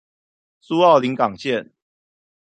蘇澳臨港線